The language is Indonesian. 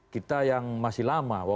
kita yang masih lama